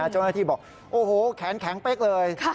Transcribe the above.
เจ้าหน้าที่บอกโอ้โหแขนแข็งเป๊กเลย